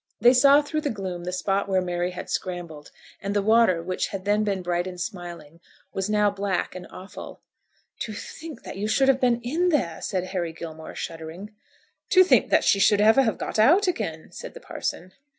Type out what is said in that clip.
They saw through the gloom the spot where Mary had scrambled, and the water which had then been bright and smiling, was now black and awful. "To think that you should have been in there!" said Harry Gilmore, shuddering. "To think that she should ever have got out again!" said the parson.